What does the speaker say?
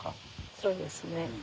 そうですね。